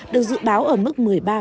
được dự báo ở mức một mươi ba